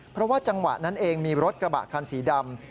เพราะว่าจังหวะนั้นเองมีรถกระบะคันสีดำ